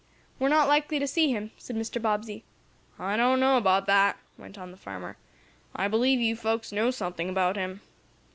"We're not likely to see him," said Mr. Bobbsey. "I don't know about that," went on the farmer. "I believe you folks know something about him."